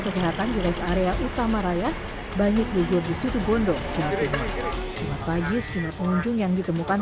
kesehatan di west area utama raya banyak wujud di situ bondo pagi segini pengunjung yang ditemukan